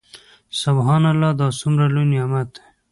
سبحان الله دا څومره لوى نعمت دى.